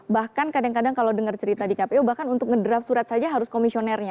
bahkan kadang kadang kalau dengar cerita di kpu bahkan untuk ngedraft surat saja harus komisionernya